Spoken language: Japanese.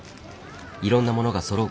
いろんなものがそろう